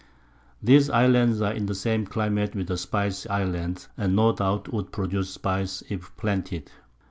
These Islands are in the same Climate with the Spice Islands, and no doubt would produce Spice, if planted.